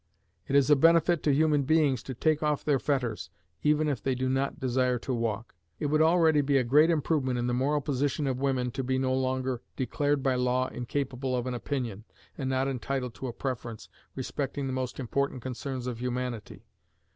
It is a benefit to human beings to take off their fetters, even if they do not desire to walk. It would already be a great improvement in the moral position of women to be no longer declared by law incapable of an opinion, and not entitled to a preference, respecting the most important concerns of humanity.